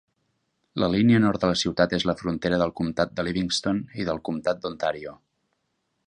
La línia nord de la ciutat és la frontera del comtat de Livingston i del comtat d'Ontario.